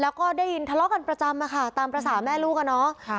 แล้วก็ได้ยินทะเลาะกันประจำอะค่ะตามภาษาแม่ลูกอะเนาะ